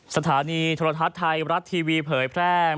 สถานีโทรทัศน์ไทยรัฐทีวีเผยแพร่